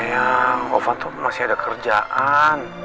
wow ovan tuh masih ada kerjaan